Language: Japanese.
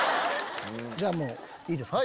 じゃあいいですか？